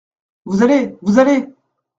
Vous allez ! vous allez !